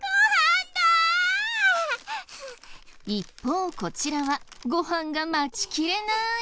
一方こちらはご飯が待ちきれない！